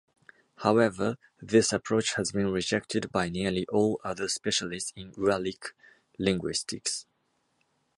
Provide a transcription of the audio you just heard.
However, this approach has been rejected by nearly all other specialists in Uralic linguistics.